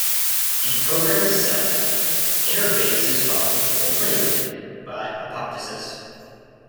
In programmed cell death, interphase is followed or preempted by apoptosis.